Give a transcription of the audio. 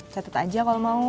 catet aja kalau mau